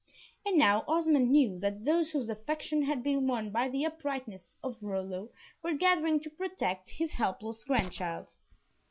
And now Osmond knew that those whose affection had been won by the uprightness of Rollo, were gathering to protect his helpless grandchild.